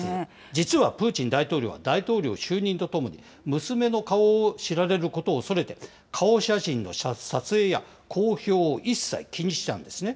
実はプーチン大統領は大統領就任とともに、娘の顔を知られることを恐れて、顔写真の撮影や公表を一切禁止したんですね。